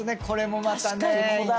これもまたね。